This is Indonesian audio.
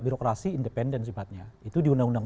birokrasi independen sifatnya itu di undang undang